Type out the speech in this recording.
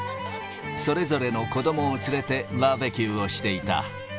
それぞれの子どもを連れて、バーベキューをしていた。